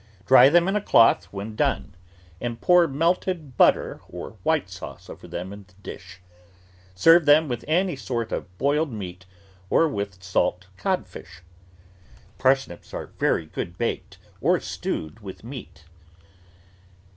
Dry them in a cloth when done and pour melted butter or white sauce over them in the dish. Serve them with any sort of boiled meat or with salt codfish. Parsnips are very good baked or stewed with meat.